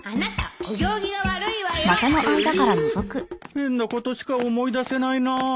変なことしか思い出せないな。